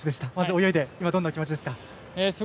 泳いで今、どんなお気持ちでしょうか。